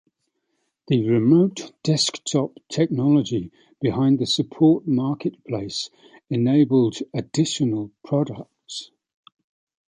The remote desktop technology behind the support marketplace enabled additional products.